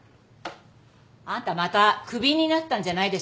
あんたまた首になったんじゃないでしょうね？